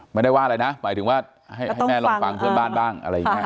ไม่ได้ว่าอะไรนะหมายถึงว่าให้แม่ลองฟังเพื่อนบ้านบ้าง